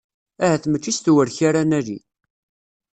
Ahat mačči s tewrek ara nali.